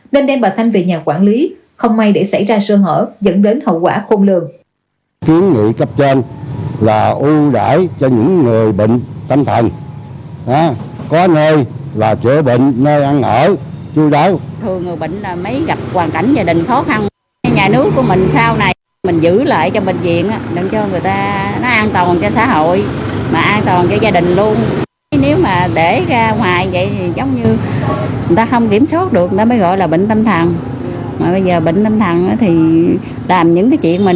nên đem bà thanh về nhà quản lý không may để xảy ra sơ hở dẫn đến hậu quả khôn lường